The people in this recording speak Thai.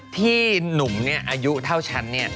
ที่หนุ่มเนี่ยอายุเท่าฉันเนี่ย